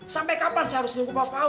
sampai kapan saya harus nunggu pak wul